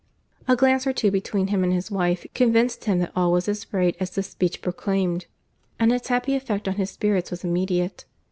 A glance or two between him and his wife, convinced him that all was as right as this speech proclaimed; and its happy effect on his spirits was immediate.